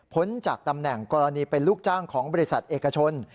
จากตำแหน่งกรณีเป็นลูกจ้างของบริษัทเอกชน